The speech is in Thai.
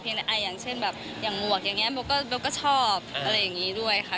อย่างเช่นแบบอย่างหมวกอย่างนี้โบก็ชอบอะไรอย่างนี้ด้วยค่ะ